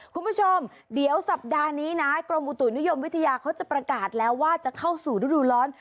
คุณผู้ชมเดี๋ยวสัปดาห์นี้นะกรมอุตุนิยมวิทยาเขาจะประกาศแล้วว่าจะเข้าสู่ฤดูร้อน